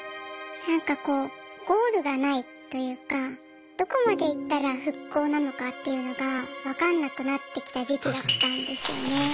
なんかこうゴールがないというかどこまで行ったら復興なのかっていうのがわかんなくなってきた時期だったんですよね。